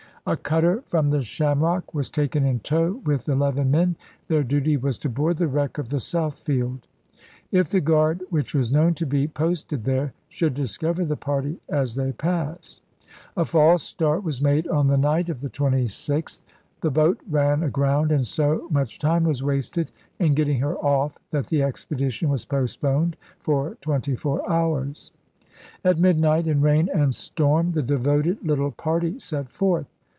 A cutter from the Shamrock was taken in tow with eleven men ; their duty was to board the wreck of the Southfield, if the guard which was known to be posted there should discover the party as they passed. A false start was made on the night of the 26th ; the boat ran aground, and so much time was wasted in getting her off that the expedition was postponed for twenty four hours. At midnight, c^!pjjf' in rain and storm, the devoted little party set °£j^°' forth.